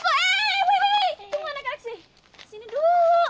coba dong anak anak sih sini dulu